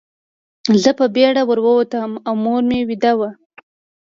زه په بېړه ور ووتم او مور مې ویده وه